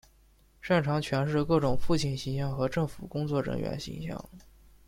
擅长诠释各种父亲形象和政府工作人员形象。